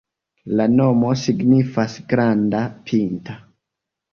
La nomo signifas granda-pinta.